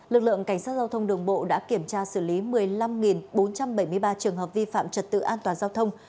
lực lượng cảnh sát giao thông đường bộ đã kiểm tra xử lý một mươi năm bốn trăm bảy mươi ba trường hợp vi phạm trật tự an toàn giao thông